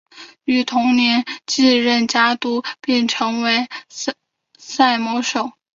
于同年继任家督并成为萨摩守。